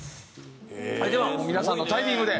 では皆さんのタイミングで。